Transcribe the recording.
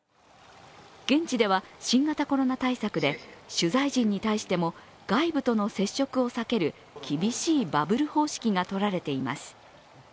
現地では新型コロナ対策で取材陣に対しても外部との接触を避ける厳しいバブル方式がとられています。